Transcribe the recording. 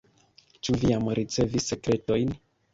Ĉu vi jam ricevis sekretojn?